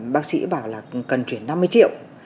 bác sĩ bảo là cần chuyển năm mươi triệu